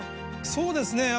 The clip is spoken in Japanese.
そうですね。